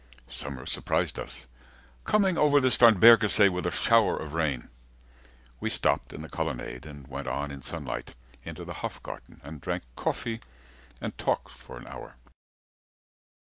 Summer surprised us, coming over the Starnbergersee With a shower of rain; we stopped in the colonnade, And went on in sunlight, into the Hofgarten, 10 And drank coffee, and talked for an hour.